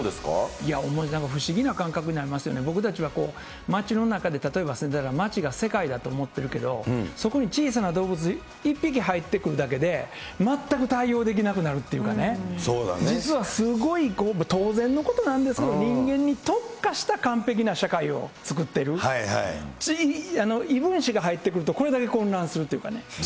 不思議な感覚になりますよね、僕たちは街の中で、例えば、街が世界だと思ってるけど、そこに小さな動物１匹入ってくるだけで、全く対応できなくなるっていうかね、実はすごい、当然のことなんですけど、人間に特化した完璧な社会を作ってる、異分子が入ってくるとこれだけ混乱するというかね。